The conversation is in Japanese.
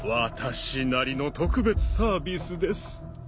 私なりの特別サービスです。